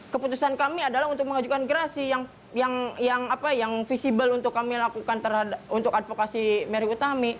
kita harus bangunkan keputusan gerasi yang invisible untuk melakukan untuk advokasi mary utami